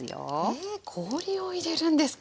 え氷を入れるんですか！